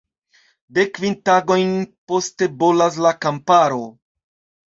Dek kvin tagojn poste bolas la kamparo.